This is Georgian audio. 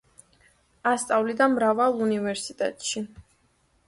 ასწავლიდა მრავალ უნივერსიტეტში.